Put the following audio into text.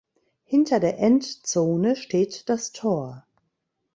Hinter der Endzone steht das Tor.